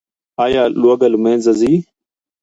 آیا لوږه له منځه ځي؟